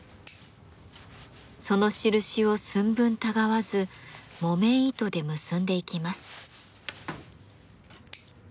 その印を寸分たがわず木綿糸で結んでいきます。